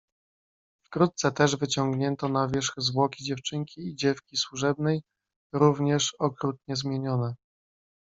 "Wkrótce też wyciągnięto na wierzch zwłoki dziewczynki i dziewki służebnej, również okrutnie zmienione."